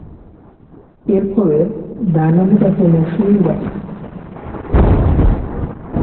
এর ফলে, ডায়নামো তাকে মৌসুমের বাকি সময়ের জন্য চুক্তিবদ্ধ করে।